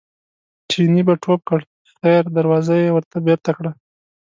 چیني به ټوپ کړ خیر دروازه یې ورته بېرته کړه.